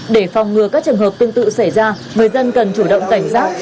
để phòng ngừa các trường hợp tương tự xảy ra người dân cần chủ động cảnh giác